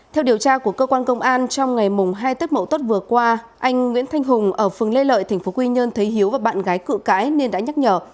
theo điều tra của cơ quan công an trong ngày hai tết mậu tuất vừa qua anh nguyễn thanh hùng ở phường lê lợi tp quy nhơn thấy hiếu và bạn gái cự cãi nên đã nhắc nhở